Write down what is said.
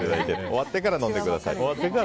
終わってから飲んでください。